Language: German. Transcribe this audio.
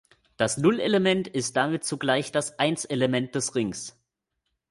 Das Nullelement ist damit zugleich das Einselement des Rings.